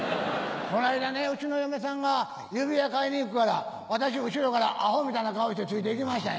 こないだね家の嫁さんが指輪買いに行くから私後ろからアホみたいな顔してついていきましたんや。